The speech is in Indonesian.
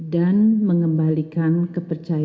dan mengembalikan kemampuan